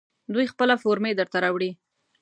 دوی خپله فورمې درته راوړي.